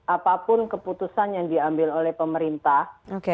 apapun keputusan yang diambil oleh pemerintah